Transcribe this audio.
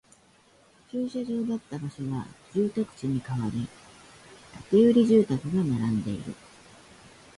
駐車場だった場所は住宅地に変わり、建売住宅が並んでいる